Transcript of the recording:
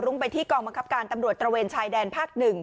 ไปที่กองบังคับการตำรวจตระเวนชายแดนภาค๑